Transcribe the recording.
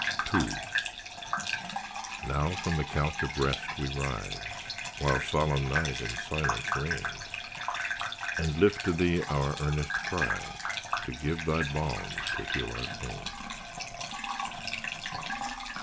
II Now from the couch of rest we rise, While solemn night in silence reigns, And lift to Thee our earnest cries, To give Thy balm to heal our pains.